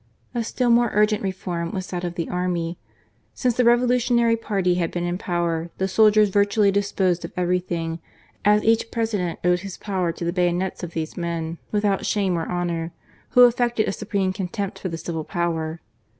A still more urgent reform was that of the army. Since the Revolutionary party had been in power, the soldiers virtually disposed of ever5rthing, as each President owed his power to the bayonets of these men, without shame or honour, who affected a supreme contempt for the civil power.